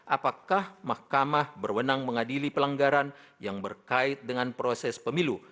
apakah mahkamah berwenang mengadili pelanggaran yang berkait dengan proses pemilu